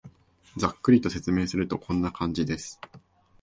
ざっくりと説明すると、こんな感じです